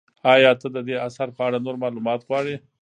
ایا ته د دې اثر په اړه نور معلومات غواړې؟